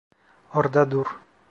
Orda dur!